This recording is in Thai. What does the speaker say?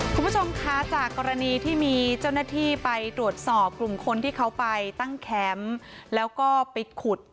คุณผู้ชมคะจากกรณีที่มีเจ้าหน้าที่ไปตรวจสอบกลุ่มคนที่เขาไปตั้งแคมป์แล้วก็ไปขุด